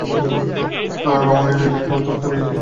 উনি নিজের মনের মধ্যেই হারিয়ে গেছেন।